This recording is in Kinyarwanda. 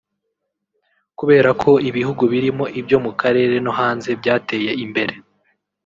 kubera ko ibihugu birimo ibyo mu karere no hanze byateye imbere